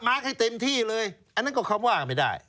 ให้เต็มที่เลยอันนั้นก็คำว่าไม่ได้